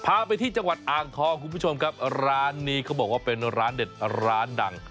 พาไปที่จังหวัดอ่างทองคุณผู้ชมครับร้านนี้เขาบอกว่าเป็นร้านเด็ดร้านดัง